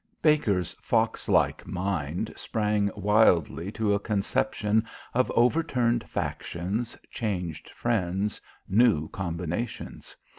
Baker's fox like mind sprang wildly to a conception of overturned factions, changed friends, new combinations.